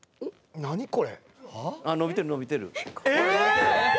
何これ！